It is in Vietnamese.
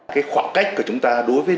cái khoảng cách của chúng ta đối với